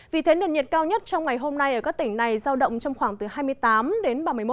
vì thế nền nhiệt cao nhất trong ngày hôm nay ở các tỉnh này giao động trong khoảng từ hai mươi tám đến ba mươi một độ